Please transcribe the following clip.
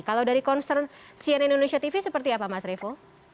kalau dari concern cnn indonesia tv seperti apa mas revo